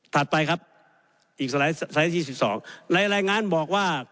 ไปครับอีกสไลด์ที่๑๒ในรายงานบอกว่า